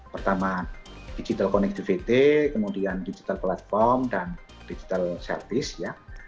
pertama digital connectivity kemudian digital platform dan digital service ya